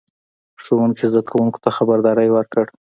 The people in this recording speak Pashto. ښوونکي زده کوونکو ته خبرداری ورکړ.